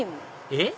えっ？